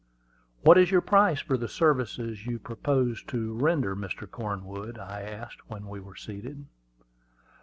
"What is your price for the service you propose to render, Mr. Cornwood?" I asked, when we were seated.